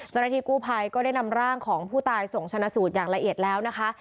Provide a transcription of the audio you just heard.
เจ้าหน้าที่กู้ภัยก็ได้นำร่างของผู้ตายส่งชนะสูตรอย่างละเอียดแล้วนะคะ